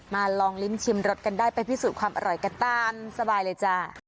ลองลิ้มชิมรสกันได้ไปพิสูจน์ความอร่อยกันตามสบายเลยจ้า